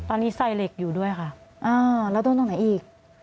ตอนนี้ใส่เหล็กอยู่ด้วยค่ะอ่าแล้วโดนตรงไหนอีก